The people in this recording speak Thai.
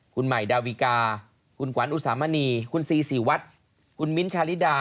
คุณใหม่ดาวิกาคุณขวัญอุสามณีคุณซีศรีวัฒน์คุณมิ้นท์ชาลิดา